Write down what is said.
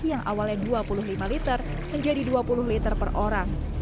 yang awalnya dua puluh lima liter menjadi dua puluh liter per orang